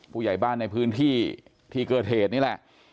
ผู้ใหญ่บ้านในพื้นที่ที่เกิดเหตุนี่แหละ